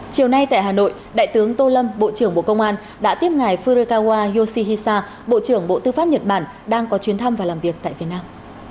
chiều nay tại hà nội đại tướng tô lâm bộ trưởng bộ công an đã tiếp ngài furekawa yoshihisa bộ trưởng bộ tư pháp nhật bản đang có chuyến thăm và làm việc tại việt nam